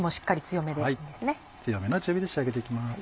強めの中火で仕上げて行きます。